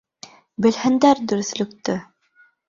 Белһендәр дөрөҫлөктө!